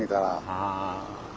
はあ。